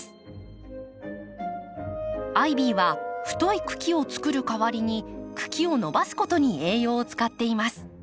アイビーは太い茎をつくるかわりに茎を伸ばすことに栄養を使っています。